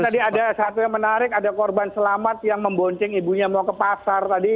tadi ada satu yang menarik ada korban selamat yang membonceng ibunya mau ke pasar tadi